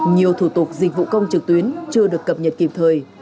nhiều thủ tục dịch vụ công trực tuyến chưa được cập nhật kịp thời